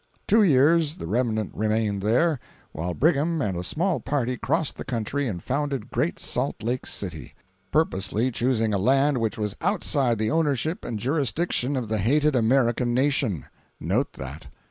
Two years the remnant remained there, while Brigham and a small party crossed the country and founded Great Salt Lake City, purposely choosing a land which was outside the ownership and jurisdiction of the hated American nation. Note that.